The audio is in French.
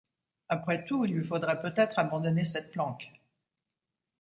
Après tout, il lui faudrait peut-être abandonner cette planque.